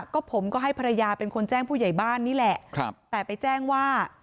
ก็ผมก็ให้ภรรยาเป็นคนแจ้งผู้ใหญ่บ้านนี่แหละครับแต่ไปแจ้งว่า